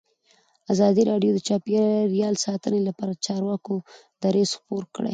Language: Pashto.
ازادي راډیو د چاپیریال ساتنه لپاره د چارواکو دریځ خپور کړی.